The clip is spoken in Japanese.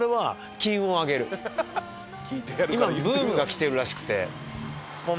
今ブームが来てるらしくて。